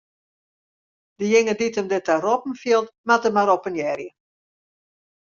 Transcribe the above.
Dejinge dy't him derta roppen fielt, moat him mar oppenearje.